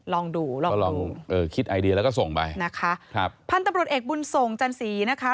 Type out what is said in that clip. ลองดูคิดไอเดียแล้วก็ส่งไปนะคะครับฮันตำรวจเอกบุญสงธ์จันศรีนะคะ